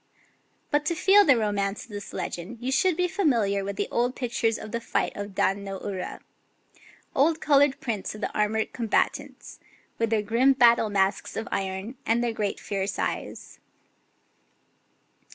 But to feel the romance of this legend you should be familiar with old pictures of the fight of Dan no Ura, — old coloured prints of the armoured combatants, with their grim battle masks of iron and their great fierce eyes.